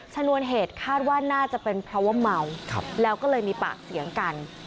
ชนวนเหตุคาดว่าน่าจะเป็นเพราะว่าเมาแล้วก็เลยมีปากเสียงกัน